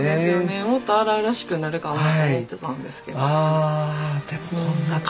もっと荒々しくなるかなと思ってたんですけど。